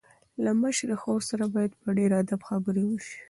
له مشرې خور سره باید په ډېر ادب خبرې وشي.